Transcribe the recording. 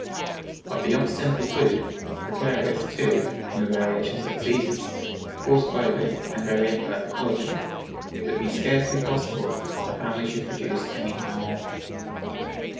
But beyond simple food (precarious, too, from the variations of the seasons), coarse clothing, and very imperfect lodging, it would be scarcely possible that the family should produce anything more.